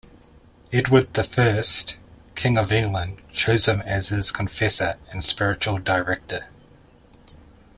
Edward the First, King of England, chose him as his confessor and spiritual director.